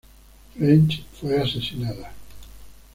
French fue asesinada.